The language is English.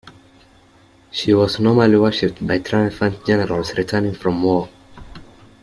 She was normally worshiped by triumphant generals returning from war.